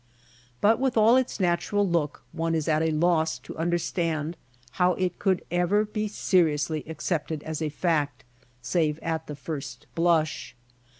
But with all its natural look one is at loss to understand how it could ever be seriously ac cepted as a fact, save at the first blush.